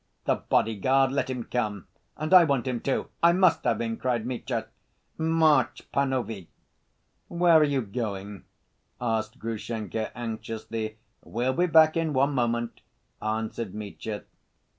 "The bodyguard? Let him come, and I want him, too. I must have him!" cried Mitya. "March, panovie!" "Where are you going?" asked Grushenka, anxiously. "We'll be back in one moment," answered Mitya.